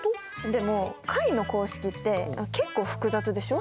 でも解の公式って結構複雑でしょ？